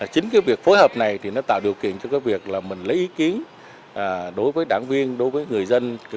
chính cái việc phối hợp này thì nó tạo điều kiện cho cái việc là mình lấy ý kiến đối với đảng viên đối với người dân